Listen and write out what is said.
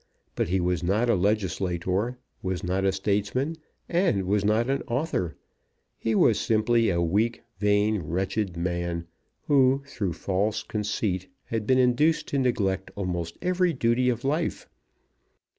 But he was not a legislator, was not a statesman, and was not an author. He was simply a weak, vain, wretched man, who, through false conceit, had been induced to neglect almost every duty of life!